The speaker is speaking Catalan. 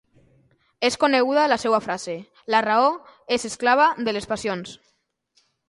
És coneguda la seua frase «La raó és esclava de les passions».